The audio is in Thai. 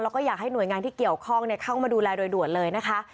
แล้วก็อยากให้หน่วยงานที่เกี่ยวข้องเข้ามาดูแลโดยด่วนเลยนะคะ